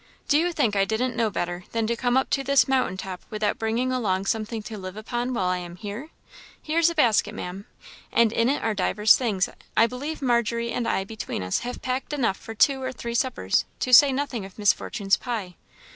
Do you think I didn't know better than to come up to this mountain top without bringing along something to live upon while I am here? Here's a basket, Maam, and in it are divers things; I believe Margery and I between us have packed up enough for two or three suppers to say nothing of Miss Fortune's pie.